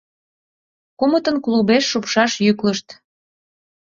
Кумытын клубеш шупшаш йӱклышт.